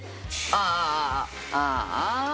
あああーあ。